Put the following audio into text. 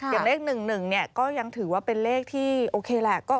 อย่างเลข๑๑เนี่ยก็ยังถือว่าเป็นเลขที่โอเคแหละ